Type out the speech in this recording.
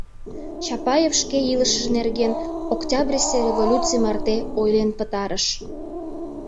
Чапаев шке илышыже нерген Октябрьысе революций марте ойлен пытарыш.